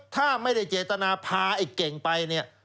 ถ้าไม่ได้เจตนาพาไอ้เก่งไปเนี่ย